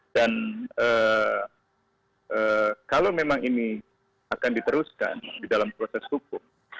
dan kalau memang ini akan diteruskan di dalam proses hukum